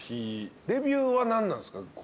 デビューは何なんすか？